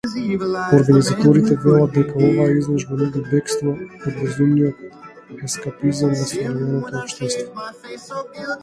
Организаторите велат дека оваа изложба нуди бегство од безумниот ескапизам на современото општество.